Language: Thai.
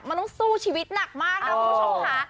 มันต้องสู้ชีวิตหนักมากนะคุณผู้ชมค่ะ